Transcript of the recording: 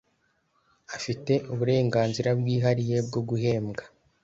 afite uburenganzira bwihariye bwo guhembwa